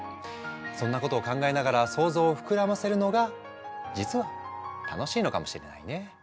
そんなことを考えながら想像を膨らませるのが実は楽しいのかもしれないね。